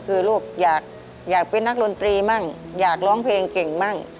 คือลูปอยากนะครนตรีอยากร้องเพลงเก่ง